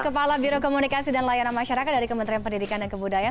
kepala biro komunikasi dan layanan masyarakat dari kementerian pendidikan dan kebudayaan